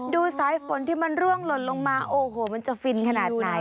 ดูสายฝนที่มันร่วงหล่นลงมาโอ้โหมันจะฟินขนาดไหน